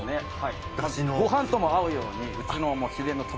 ごはんとも合うようにうちの。